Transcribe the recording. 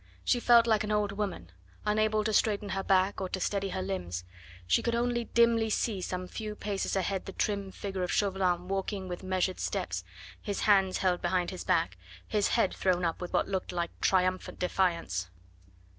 She felt like an old woman, unable to straighten her back or to steady her limbs; she could only dimly see some few paces ahead the trim figure of Chauvelin walking with measured steps, his hands held behind his back, his head thrown up with what looked like triumphant defiance.